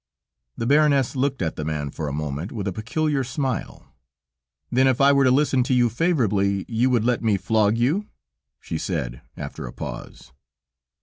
The baroness looked at the man for a moment with a peculiar smile. "Then if I were to listen to you favorably, you would let me flog you?" she said after a pause.